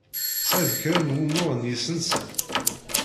Tesɛid kra n wumuɣ n yisensa?